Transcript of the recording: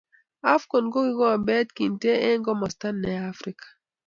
Afcon ko kikombet kintee eng komosta ne Afrika.